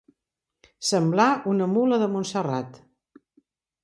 Semblar una mula de Montserrat.